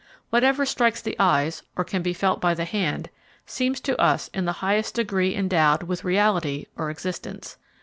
Whatever strikes the eyes, or can be felt by the hand, seems to us in the highest degree endowed with reality or existence.